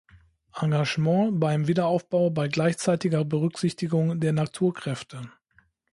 Engagement beim Wiederaufbau bei gleichzeitiger Berücksichtigung der Naturkräfte.